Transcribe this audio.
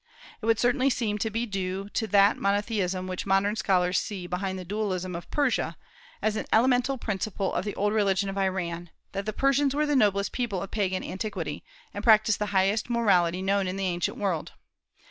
It would certainly seem to be due to that monotheism which modern scholars see behind the dualism of Persia, as an elemental principle of the old religion of Iran, that the Persians were the noblest people of Pagan antiquity, and practised the highest morality known in the ancient world.